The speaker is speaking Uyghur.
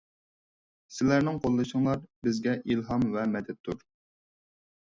سىلەرنىڭ قوللىشىڭلار بىزگە ئىلھام ۋە مەدەتتۇر.